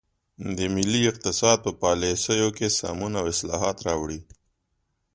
د ملي اقتصاد په پالیسیو کې سمون او اصلاحات راوړي.